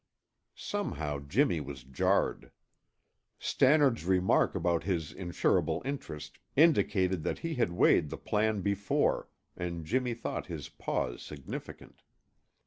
Somehow Jimmy was jarred. Stannard's remark about his insurable interest indicated that he had weighed the plan before, and Jimmy thought his pause significant.